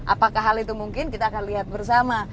apakah hal itu mungkin kita akan lihat bersama